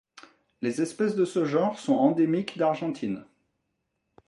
Les espèces de ce genre sont endémiques d'Argentine.